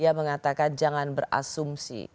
ia mengatakan jangan berasumsi